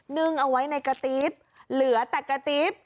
นึ่งเอาไว้ในกระติ๊บเหลือแต่กระติ๊บ